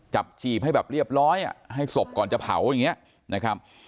จีบให้แบบเรียบร้อยให้ศพก่อนจะเผาอย่างนี้นะครับ